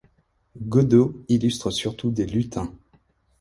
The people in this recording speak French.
Godo illustre surtout des lutins.